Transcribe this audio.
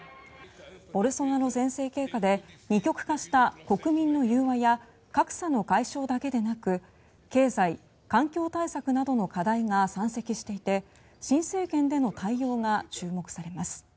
ボルソナロ前政権下で二極化した国民の融和や格差の解消だけでなく経済、環境対策などの課題が山積していて新政権での対応が注目されます。